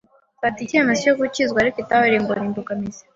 mfata icyemezo cyo gukizwa ariko itabi rimbera imbogamizi